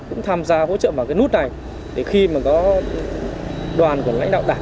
cũng tham gia hỗ trợ vào cái nút này để khi mà có đoàn của lãnh đạo đảng